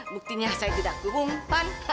buktinya saya tidak kebunpan